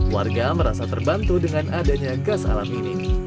warga merasa terbantu dengan adanya gas alam ini